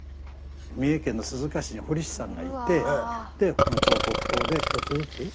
三重県の鈴鹿市に彫師さんがいてで彫刻刀で１つずつ。